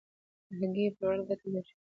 د هګیو پلورل ګټه لري؟